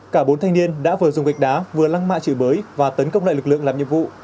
cả bốn thanh niên đã vừa dùng gạch đá vừa lăng mạ chửi bới và tấn công lại lực lượng làm nhiệm vụ